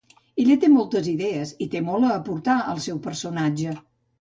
Ella té moltes idees, i té molt a aportar al seu personatge.